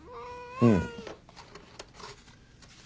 うん。